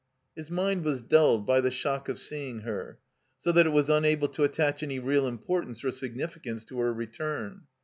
His mind was dulled by the shock of seeing her, so that it was unable to attach any real importance or significance to her rettun.